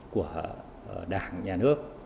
của đảng nhà nước